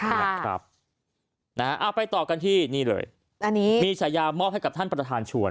เอาไปต่อกันที่นี่เลยอันนี้มีฉายามอบให้กับท่านประธานชวน